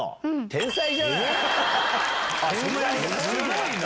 すごいな！